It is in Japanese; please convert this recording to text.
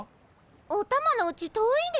おたまのうち遠いんでしょ？